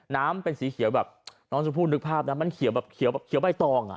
น้ำเป็นสีเขียวแบบน้องชมพู่นึกภาพนะมันเขียวแบบเขียวใบตองอ่ะ